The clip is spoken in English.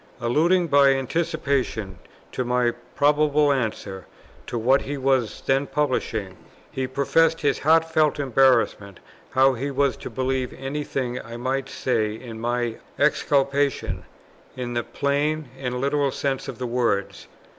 Alluding by anticipation to my probable answer to what he was then publishing, he professed his heartfelt embarrassment how he was to believe any thing I might say in my exculpation, in the plain and literal sense of the words.